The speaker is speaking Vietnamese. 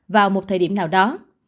vào một thời điểm nào đó